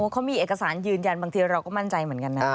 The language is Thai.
เขามีเอกสารยืนยันบางทีเราก็มั่นใจเหมือนกันนะ